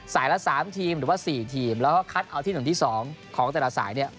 ละ๓ทีมหรือว่า๔ทีมแล้วก็คัดเอาที่๑ที่๒ของแต่ละสายเนี่ย